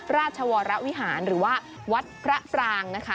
ราชวรวิหารหรือว่าวัดพระปรางนะคะ